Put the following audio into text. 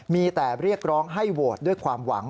มีแต่เรียกร้องให้โหวตด้วยความหวัง